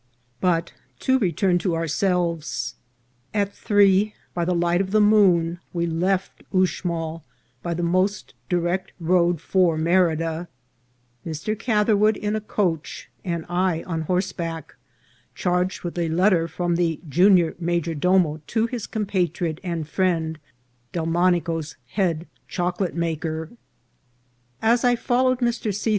BUT to return to ourselves. At three, by the light of the moon, we left Uxmal by the most direct road for Me rida, Mr. Catherwood in a coach and I on horseback, charged with a letter from the junior major domo to his compatriot and friend, Delmonico's head chocolate ma ker. As I followed Mr. C.